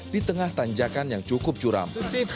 di tengah tanjakan yang cukup curam